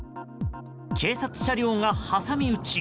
警察車両が挟み撃ち。